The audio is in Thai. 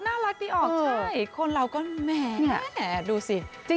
น่ารักดีออกใช่คนเราก็แหมดูสิ